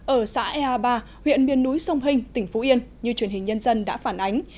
ở xã ea ba huyện biên núi sông hinh tỉnh phú yên như truyền hình nhân dân đã phản ánh